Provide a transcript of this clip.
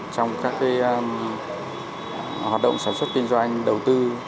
trong các hoạt động sản xuất kinh doanh đầu tư